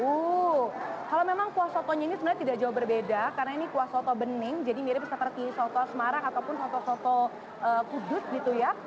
wuh kalau memang kuah sotonya ini sebenarnya tidak jauh berbeda karena ini kuah soto bening jadi mirip seperti soto semarang ataupun soto soto kudus gitu ya